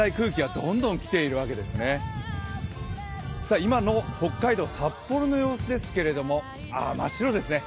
今の北海道札幌の様子ですけれども真っ白ですね。